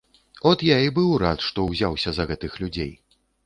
От я і быў рад, што ўзяўся за гэтых людзей.